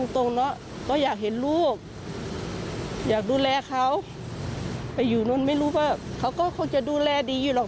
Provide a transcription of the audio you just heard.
เธอตอบรู้ว่ามันก็คงจะดูแลดีอยู่ก่อน